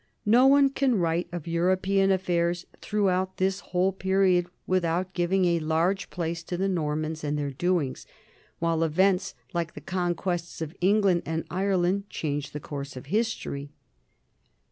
No one can write of Euro pean affairs throughout this whole period without giving a large place to the Normans and their doings; while events like the conquests of England and Ire land changed the course of history.